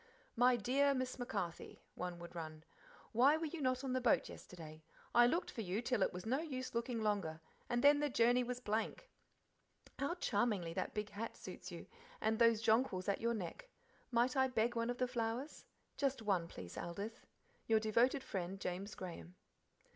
"My dear' Miss MacCarthy," one would run "Why were you not on the boat yesterday? I looked for you till it was no use looking longer, and then the journey was blank. How charmingly that big hat suits you, and those jonquils at your neck. Might I beg one of the flowers? just one, please, Aldith. Your devoted friend, James Graham."